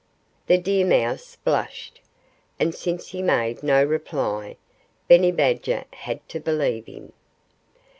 The deer mouse blushed. And since he made no reply, Benny Badger had to believe him.